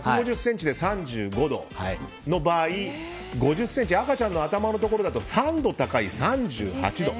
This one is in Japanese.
１５０ｃｍで３５度の場合５０ｃｍ赤ちゃんの頭のところだと３度高い３８度。